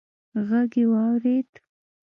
غږ يې واورېد: